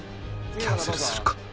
キャンセルするか？